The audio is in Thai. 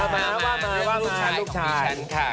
มาลูกชายของพี่ฉันค่ะ